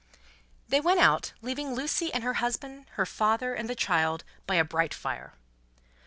They went out, leaving Lucie, and her husband, her father, and the child, by a bright fire.